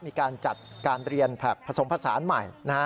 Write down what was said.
มีการจัดการเรียนแบบผสมผสานใหม่